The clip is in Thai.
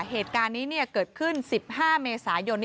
เหตุการณ์นี้เกิดขึ้น๑๕เมษายนนี้